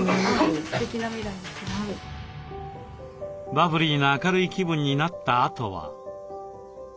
バブリーな明るい気分になったあとは。